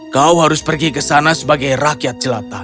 kau harus pergi ke sana sebagai rakyat jelata